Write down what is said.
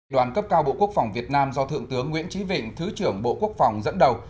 đoàn cấp cao bộ quốc phòng việt nam do thượng tướng nguyễn trí vịnh thứ trưởng bộ quốc phòng dẫn đầu